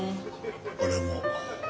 俺も。